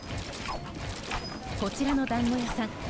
こちらの団子屋さん